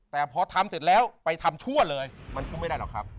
แต่พอทำเสร็จแล้วไปทำชั่วเลยมันก็ไม่ได้หรอกครับ